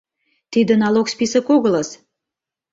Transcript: Тиде налог список огылыс.